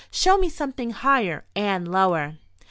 Show me something higher and lower."